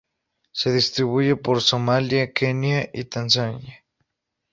Se distribuye por Somalia, Kenia y Tanzania.